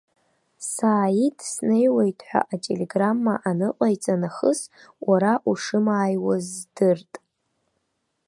Сааид снеиуеит ҳәа ателеграмма аныҟаиҵа нахыс, уара ушымааиуаз здырт.